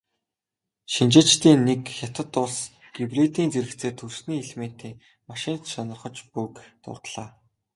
Шинжээчдийн нэг "Хятад улс гибридийн зэрэгцээ түлшний элементийн машин ч сонирхож буй"-г дурдлаа.